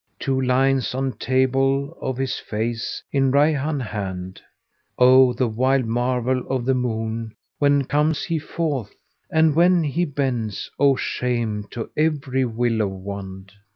* Two lines on table of his face in Rayhán hand:[FN#486] O the wild marvel of the Moon when comes he forth! * And when he bends, O shame to every Willow wand!"